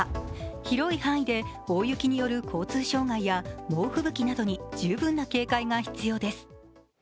広い範囲で大雪による交通障害や猛吹雪などに十分な警戒が必要です。